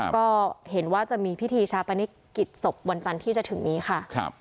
ก็เห็นว่าจะมีพิธีชาปนกิจศพวันจันทร์ที่จะถึงนี้ค่ะ